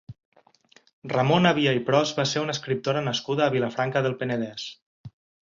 Ramona Via i Pros va ser una escriptora nascuda a Vilafranca del Penedès.